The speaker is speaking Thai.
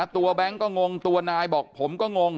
แบงค์ก็งงตัวนายบอกผมก็งง